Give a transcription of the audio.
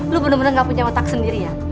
lo bener bener ga punya otak sendiri ya